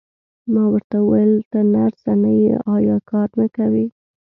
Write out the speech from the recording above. ما ورته وویل: ته نرسه نه یې، ایا کار نه کوې؟